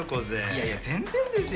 いやいや全然ですよ。